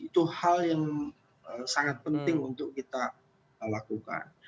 itu hal yang sangat penting untuk kita lakukan